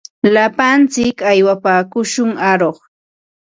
Lapantsik aywapaakushun aruq.